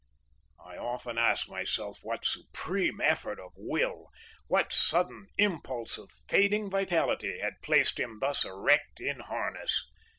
"I often ask myself what supreme effort of will, what sudden impulse of fading vitality, had placed him thus erect in harness.